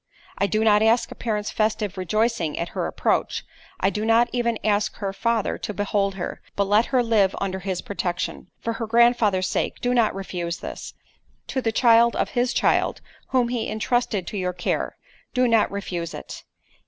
_' "I do not ask a parent's festive rejoicing at her approach—I do not even ask her father to behold her; but let her live under his protection. For her grandfather's sake do not refuse this—to the child of his child, whom he entrusted to your care, do not refuse it.